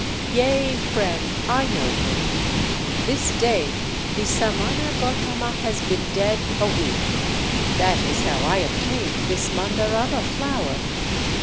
"Yea, friend! I know him. This day the Samana Gautama has been dead a week! That is how I obtained this Mandarava flower."